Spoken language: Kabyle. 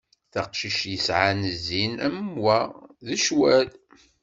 Taqcict yesɛan zzin am wa d cwal.